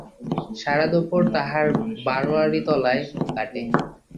সারা দুপুর তাহার বারোয়ারিতলায় কাটে।